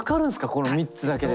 この３つだけで。